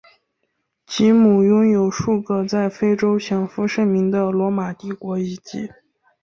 杰姆拥有数个在非洲享负盛名的罗马帝国遗迹。